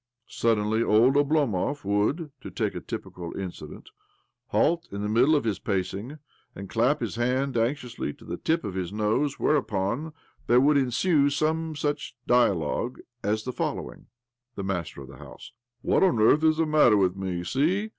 Suddenly old Oblomov would (to take a typical incident) halt in the middle of his pacing, and clap his hand anxiously to the tip of his nose ; whereupon there would ensue some such dialogue as the fol lowing :— The master of the house: What on earth is the matter with me ? See